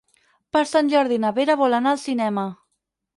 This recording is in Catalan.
Per Sant Jordi na Vera vol anar al cinema.